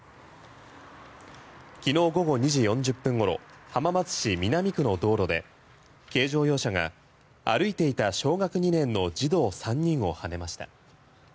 昨日午後２時４０分ごろ浜松市南区の道路で軽乗用車が歩いていた小学２年の児童３人をはねました。